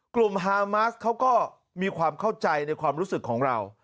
ฮามาสเขาก็มีความเข้าใจในความรู้สึกของเรา